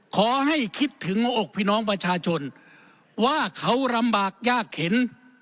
ขอให้คิดถึงหัวอกพี่น้องประชาชนว่าเขาลำบากยากเข็น